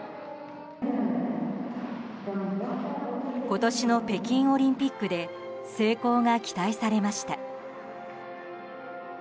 今年の北京オリンピックで成功が期待されました。